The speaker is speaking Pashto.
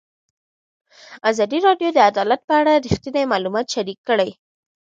ازادي راډیو د عدالت په اړه رښتیني معلومات شریک کړي.